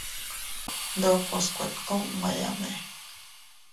Ndokos kuetkumayame.